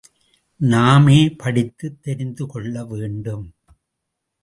நாமே படித்துத் தெரிந்துகொள்ள வேண்டும்.